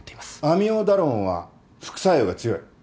アミオダロンは副作用が強い。